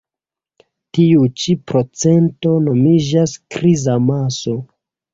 Tiu ĉi procento nomiĝas kriza maso.